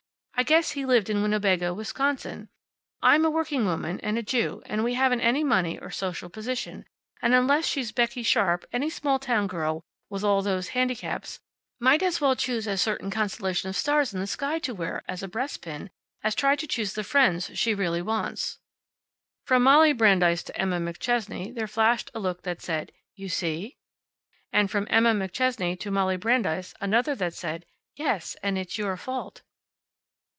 I guess he lived in Winnebago, Wisconsin. I'm a working woman, and a Jew, and we haven't any money or social position. And unless she's a Becky Sharp any small town girl with all those handicaps might as well choose a certain constellation of stars in the sky to wear as a breastpin, as try to choose the friends she really wants." From Molly Brandeis to Emma McChesney there flashed a look that said, "You see?" And from Emma McChesney to Molly Brandeis another that said, "Yes; and it's your fault."